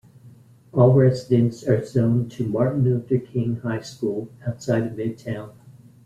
All residents are zoned to Martin Luther King High School, outside of Midtown.